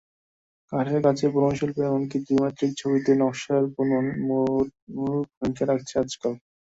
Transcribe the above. কাঠের কাজে বুননশিল্পে এমনকি দ্বিমাত্রিক ছবিতে নকশার বুনট মূল ভূমিকা রাখছে আজকাল।